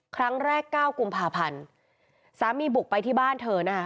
ครั้งแรกเก้ากุมภาพันธ์สามีบุกไปที่บ้านเธอนะคะ